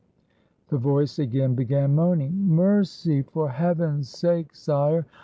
The voice again began moaning: "Mercy, for Heav en's sake, sire!